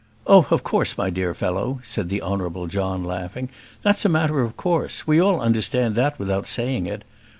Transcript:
"Oh, of course, my dear fellow," said the Honourable John, laughing; "that's a matter of course. We all understand that without saying it.